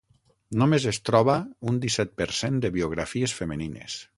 Només es troba un disset per cent de biografies femenines.